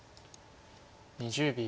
２０秒。